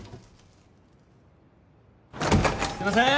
すいません！